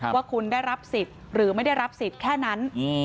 ว่าคุณได้รับสิทธิ์หรือไม่ได้รับสิทธิ์แค่นั้น